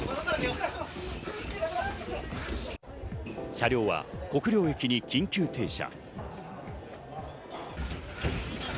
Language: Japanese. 車両は国領駅に緊急停車。